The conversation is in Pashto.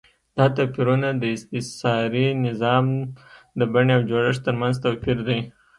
دا توپیرونه د استثاري نظام د بڼې او جوړښت ترمنځ توپیر دی.